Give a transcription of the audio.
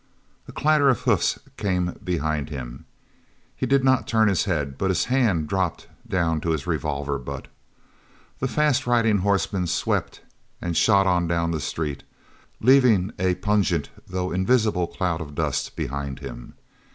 A clatter of hoofs came behind him. He did not turn his head, but his hand dropped down to his revolver butt. The fast riding horseman swept and shot on down the street, leaving a pungent though invisible cloud of dust behind him.